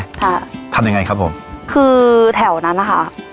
ทำยังไงครับผมคือแถวนั้นนะคะ